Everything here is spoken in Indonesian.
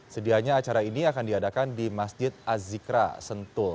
sedianya acara ini akan diadakan di masjid azikra sentul